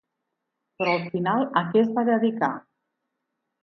Però al final a què es va dedicar?